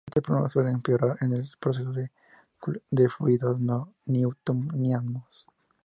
Este problema suele empeorar en el procesado de fluidos no-newtonianos.